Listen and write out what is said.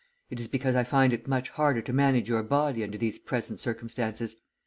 It is because I find it much harder to manage your body under these present circumstances.